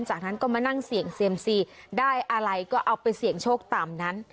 จากนั้นก็มานั่งเสี่ยงเซียมซีได้อะไรก็เอาไปเสี่ยงโชคตามนั้น